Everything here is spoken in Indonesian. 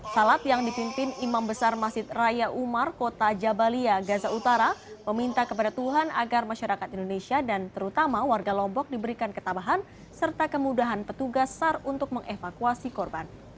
salat yang dipimpin imam besar masjid raya umar kota jabalia gaza utara meminta kepada tuhan agar masyarakat indonesia dan terutama warga lombok diberikan ketabahan serta kemudahan petugas sar untuk mengevakuasi korban